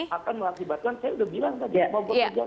akan melaksanakan saya sudah bilang tadi